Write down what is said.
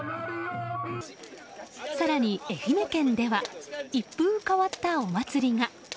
更に、愛媛県では一風変わったお祭りが。